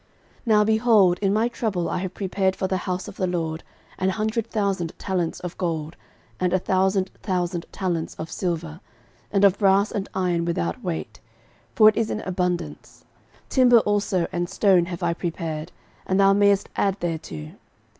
13:022:014 Now, behold, in my trouble I have prepared for the house of the LORD an hundred thousand talents of gold, and a thousand thousand talents of silver; and of brass and iron without weight; for it is in abundance: timber also and stone have I prepared; and thou mayest add thereto.